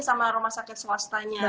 sama rumah sakit swastanya